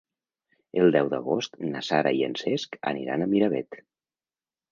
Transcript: El deu d'agost na Sara i en Cesc aniran a Miravet.